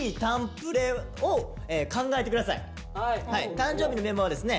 誕生日のメンバーはですね